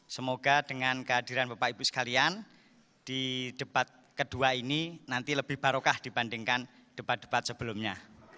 semoga dengan kehadiran bapak ibu sekalian di debat kedua ini nanti lebih barokah dibandingkan debat debat sebelumnya